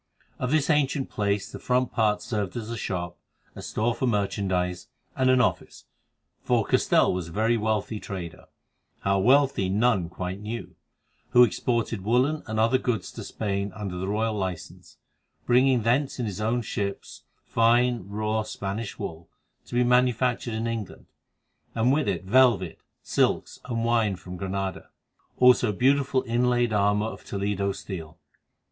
Of this ancient place the front part served as a shop, a store for merchandise, and an office, for Castell was a very wealthy trader—how wealthy none quite knew—who exported woollen and other goods to Spain under the royal licence, bringing thence in his own ships fine, raw Spanish wool to be manufactured in England, and with it velvet, silks, and wine from Granada; also beautiful inlaid armour of Toledo steel.